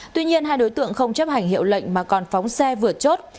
tuy nhiên hai đối tượng không chấp hành hiệu lệnh mà còn phóng xe vượt chốt